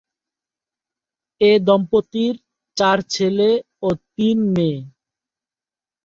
এ দম্পতির চার ছেলে ও তিন মেয়ে।